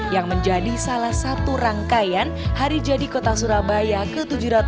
yang menjadi salah satu rangkaian hari jadi kota surabaya ke tujuh ratus dua puluh